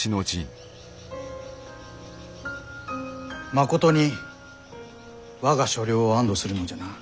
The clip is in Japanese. まことに我が所領を安堵するのじゃな。